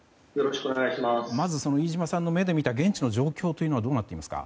まず、飯島さんの目で見た現地の状況はどうなっていますか。